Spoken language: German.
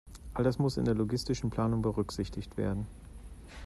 All das muss in der logistischen Planung berücksichtigt werden.